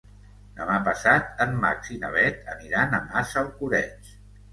Demà passat en Max i na Bet aniran a Massalcoreig.